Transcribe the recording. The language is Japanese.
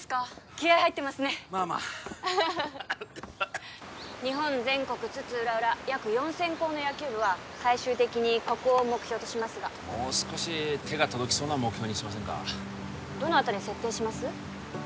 気合い入ってますねまあまあ日本全国津々浦々約４０００校の野球部は最終的にここを目標としますがもう少し手が届きそうな目標にしませんかどのあたりに設定します？